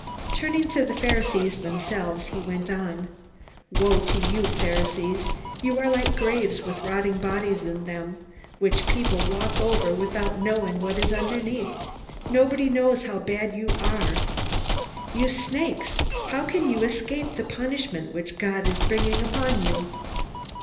Turning to the Pharisees themselves, he went on: "Woe to you Pharisees! You are like graves with rotting bodies in them, which people walk over without knowing what is underneath. Nobody knows how bad you are. You snakes! How can you escape the punishment which God is bringing upon you?"